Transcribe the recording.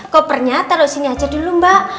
kopernya taruh sini aja dulu mbak